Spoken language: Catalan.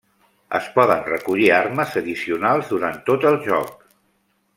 Es poden recollir armes addicionals durant tot el joc.